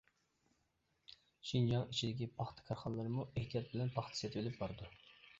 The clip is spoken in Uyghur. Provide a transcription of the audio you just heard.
شىنجاڭ ئىچىدىكى پاختا كارخانىلىرىمۇ ئېھتىيات بىلەن پاختا سېتىۋېلىپ بارىدۇ.